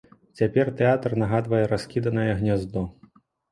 Цяпер тэатр нагадвае раскіданае гняздо.